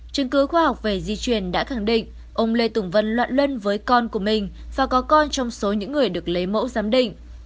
chứng cứ khoa học về di truyền đã khẳng định ông lê tùng vân loạn luân với con của mình và có con trong số những người được lấy mẫu giám định